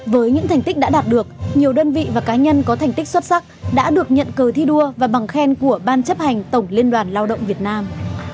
với những thành tích đã đạt được nhiều đơn vị và cá nhân có thành tích xuất sắc đã được nhận cờ thi đua và bằng khen của ban chấp hành tổng liên đoàn lao động việt nam